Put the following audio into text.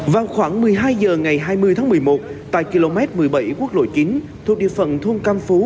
vào khoảng một mươi hai h ngày hai mươi tháng một mươi một tại km một mươi bảy quốc lộ chín thuộc địa phận thôn cam phú